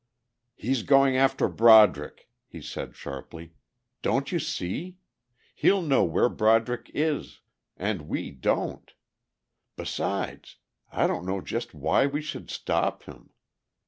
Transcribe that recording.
"He's going after Broderick," he said sharply. "Don't you see? He'll know where Broderick is. And we don't. Besides ... I don't know just why we should stop him....